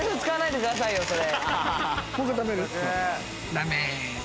ダメ！